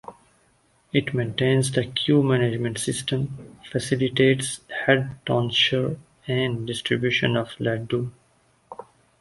It maintains the queue management system, facilitates head tonsure and distribution of laddu.